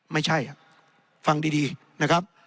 ไม่ใช่ฟังดีนะครับ